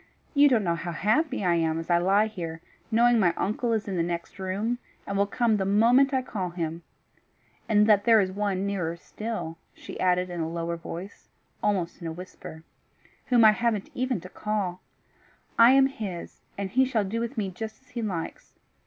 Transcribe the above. You don't know how happy I am as I lie here, knowing my uncle is in the next room, and will come the moment I call him and that there is one nearer still," she added in a lower voice, almost in a whisper, "whom I haven't even to call. I am his, and he shall do with me just as he likes.